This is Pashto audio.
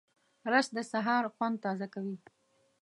رس د سهار خوند تازه کوي